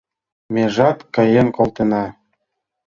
Межат каен колтена